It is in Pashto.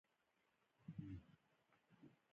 ته له شاعري سره واوسې…